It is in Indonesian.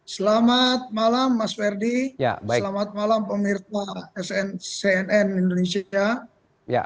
selamat malam mas ferdi selamat malam pemirsa sncnn indonesia